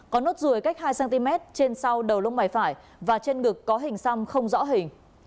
có nốt ruồi cách hai cm trên sau đầu lông mày phải và trên ngực có hình xăm không rõ hình